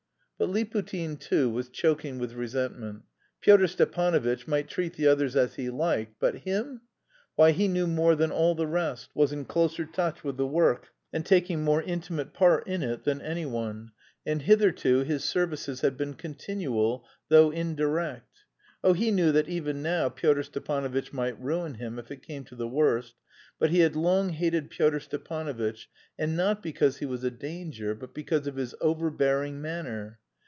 But Liputin, too, was choking with resentment. Pyotr Stepanovitch might treat the others as he liked, but him! Why, he knew more than all the rest, was in closer touch with the work and taking more intimate part in it than anyone, and hitherto his services had been continual, though indirect. Oh, he knew that even now Pyotr Stepanovitch might ruin him if it came to the worst. But he had long hated Pyotr Stepanovitch, and not because he was a danger but because of his overbearing manner.